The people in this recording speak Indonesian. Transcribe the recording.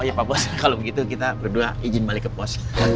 ya pak bos kalau begitu kita berdua izin balik ke pos